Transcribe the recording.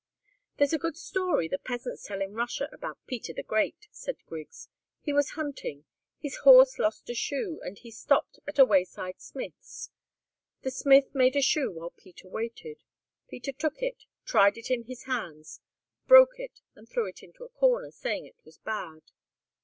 "There's a good story the peasants tell in Russia about Peter the Great," said Griggs. "He was hunting. His horse lost a shoe, and he stopped at a wayside smith's. The smith made a shoe while Peter waited. Peter took it, tried it in his hands, broke it and threw it into a corner, saying it was bad.